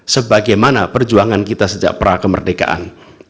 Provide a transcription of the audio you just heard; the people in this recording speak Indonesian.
sebagaimana perjuangan kita sejak pra kemerdekaan